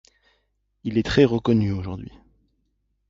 Il est très reconnu aujourd'hui.